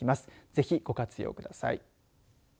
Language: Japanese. ぜひ、ご活用ください。